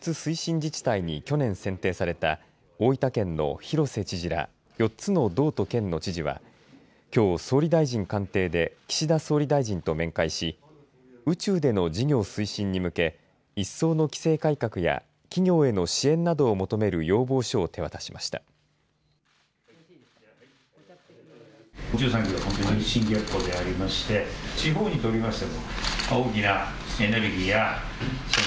自治体に去年、選定された大分県の広瀬知事ら４つの道と県の知事はきょう、総理大臣官邸で岸田総理大臣と面会し宇宙での事業推進に向け一層の規制改革や企業への支援などを求める要望書を手渡しました。